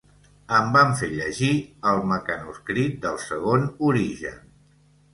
Em van fer llegir "El mecanoscrit del segon origen".